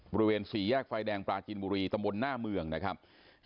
บริเวณสี่แยกไฟแดงปลาจินบุรีตำบลหน้าเมืองนะครับ